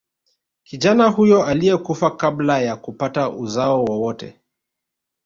Kijana huyo aliyekufa kabla ya kupata uzao wowote